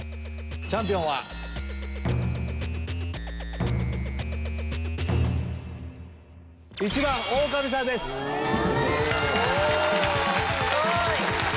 チャンピオンは⁉おすごい！